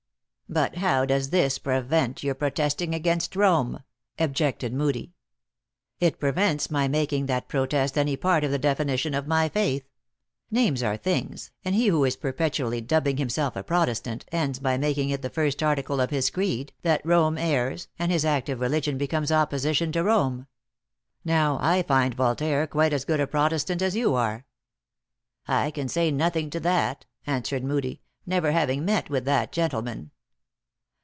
" But how does this prevent your protesting against Rome?" objected Moodie. " It prevents my making that protest any part of the definition of my faith. Names are things, and he who is perpetually dubbing himself a Protestant, ends by making it. the first article cf his creed, that Rome errs, and his active religion becomes opposition 240 THE ACTRESS IN HIGH LIFE. to Rome. Now I find Yoltaire quite as good a Pro testant as you are. "I can say nothing to that," answered Moodie, " never having met with that gentleman."